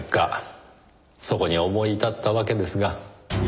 そこに思い至ったわけですが。